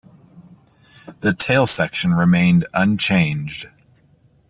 The tail section remained unchanged.